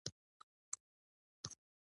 درې ورځې وروسته ځینې دوستان ورته راغلل.